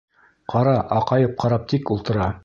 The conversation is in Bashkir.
Ҡара, аҡайып ҡарап тик ултыра.